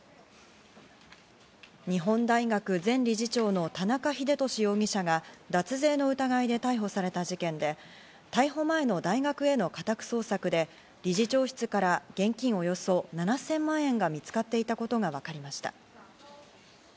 日本大学前理事長の田中英壽容疑者が脱税の疑いで逮捕された事件で、逮捕前の大学への家宅捜索で、理事長室から現金およそ７０００万円が見つかっていたことがわかりました。